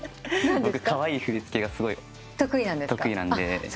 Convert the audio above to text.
僕カワイイ振り付けがすごい得意なんで。